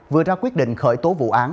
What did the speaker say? vừa ra quyết định khởi tố vụ án